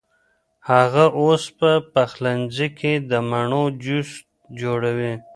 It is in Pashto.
هغه اوس په پخلنځي کې د مڼو جوس جوړوي.